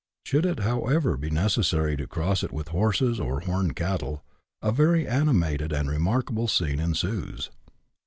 Should it, however, be necessary to cross it with horses or horned cattle, a very animated and remarkable scene ensues.